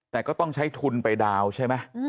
แต่ก็ต้องใช้ทุนไปดาวน์ใช่ไหม